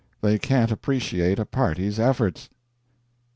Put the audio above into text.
They can't appreciate a party's efforts.